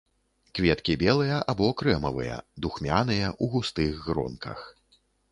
Кветкі белыя або крэмавыя, духмяныя, у густых гронках.